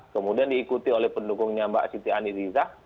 kemudian diikuti oleh pendukungnya mbak siti aniriza